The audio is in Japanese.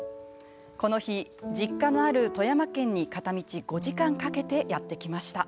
この日、実家のある富山県に片道５時間かけてやって来ました。